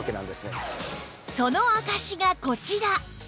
その証しがこちら